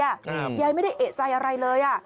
ยายไม่ได้เอกใจอะไรเลยอ่ะ